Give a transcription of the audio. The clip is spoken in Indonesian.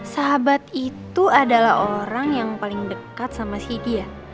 sahabat itu adalah orang yang paling dekat sama si dia